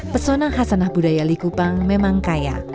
pesona khasanah budaya likupang memang kaya